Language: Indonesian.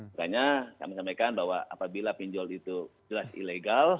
makanya kami sampaikan bahwa apabila pinjol itu jelas ilegal